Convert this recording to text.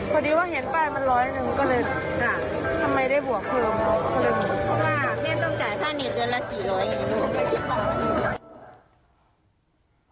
พอดีว่าเห็นไปละร้อยหนึ่งก็เลยทำไมได้บวกเธอนน้อง